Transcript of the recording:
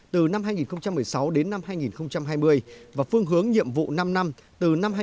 từ năm hai nghìn một mươi sáu đến năm hai nghìn hai mươi và phương hướng nhiệm vụ năm năm từ năm hai nghìn hai mươi một đến năm hai nghìn hai mươi năm